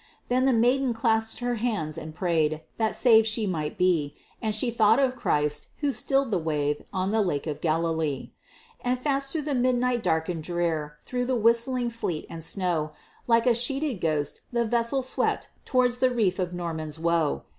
Then the maiden clasped her hands and prayed That savèd she might be; And she thought of Christ, who stilled the wave, On the Lake of Galilee. And fast through the midnight dark and drear, Through the whistling sleet and snow, Like a sheeted ghost, the vessel swept Tow'rds the reef of Norman's Woe.